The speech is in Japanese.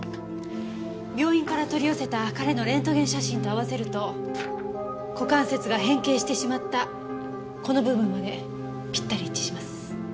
病院から取り寄せた彼のレントゲン写真と合わせると股関節が変形してしまったこの部分までピッタリ一致します。